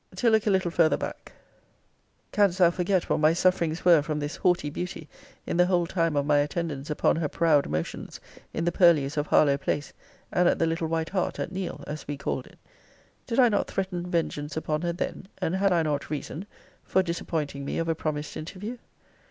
To look a litter farther back: Canst thou forget what my sufferings were from this haughty beauty in the whole time of my attendance upon her proud motions, in the purlieus of Harlowe place, and at the little White Hart, at Neale, as we called it? Did I not threaten vengeance upon her then (and had I not reason?) for disappointing me of a promised interview?